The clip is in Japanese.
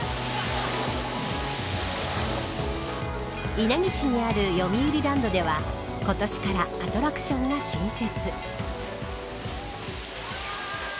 稲城市にあるよみうりランドでは今年からアトラクションが新設。